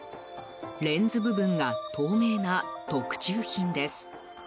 レンズ部分が透明な特注品です。